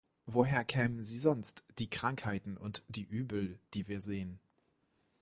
Woher kämen sie sonst, die Krankheiten und die Übel, die wir sehen?